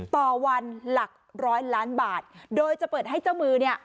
ต่อวันหลักร้อยล้านบาทโดยจะเปิดให้เจ้ามือเนี่ย